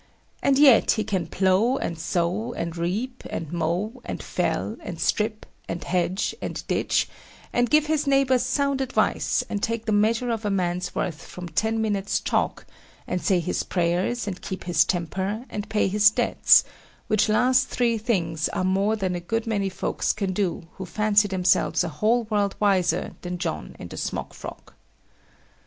And yet he can plough and sow, and reap and mow, and fell and strip, and hedge and ditch, and give his neighbours sound advice, and take the measure of a man's worth from ten minutes' talk, and say his prayers, and keep his temper, and pay his debts, which last three things are more than a good many folks can do who fancy themselves a whole world wiser than John in the smock frock.